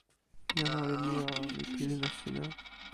jan olin mi o, mi pilin e sina.